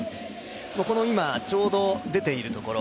ちょうど出ているところ。